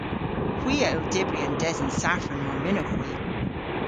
Hwi a yll dybri an desen safran mar mynnowgh hwi.